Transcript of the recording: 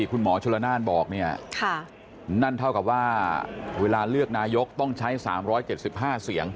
คือเวลาเลือกนายกต้องใช้๓๗๕เสียง